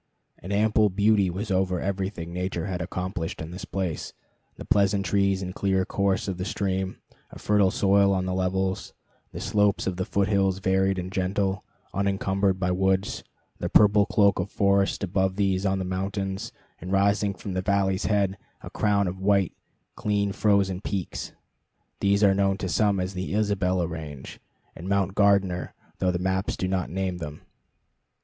An ample beauty was over everything Nature had accomplished in this place; the pleasant trees and clear course of the stream, a fertile soil on the levels, the slopes of the foot hills varied and gentle, unencumbered by woods, the purple cloak of forest above these on the mountains, and rising from the valley's head a crown of white, clean frozen peaks. These are known to some as the Isabella Range and Mount Gardner, though the maps do not name them.